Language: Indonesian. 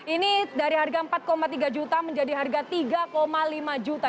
ini dari harga empat tiga juta menjadi harga tiga lima juta